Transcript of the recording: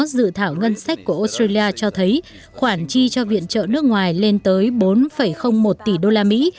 dự thảo ngân sách của australia cho thấy khoản chi cho viện trợ nước ngoài lên tới bốn một tỷ đô la mỹ